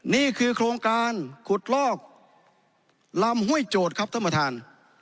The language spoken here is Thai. นี่คือโครงการขุดลอกลำห้วยโจทย์ครับท่านประธาน